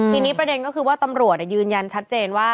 ทีนี้ประเด็นก็คือว่าตำรวจยืนยันชัดเจนว่า